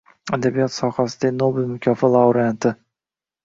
Adabiyot sohasidagi Nobel mukofoti laureati